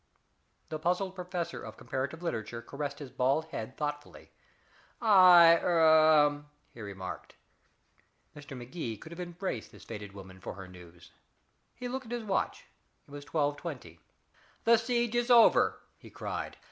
The puzzled professor of Comparative Literature caressed his bald head thoughtfully. "I er " he remarked. Mr. Magee could have embraced this faded woman for her news. He looked at his watch. It was twelve twenty. "The siege is over," he cried.